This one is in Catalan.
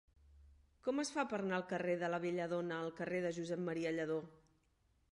Com es fa per anar del carrer de la Belladona al carrer de Josep M. Lladó?